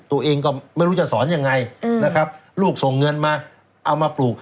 ตัวเองก็ไม่รู้จะสอนยังไงนะครับลูกส่งเงินมาเอามาปลูก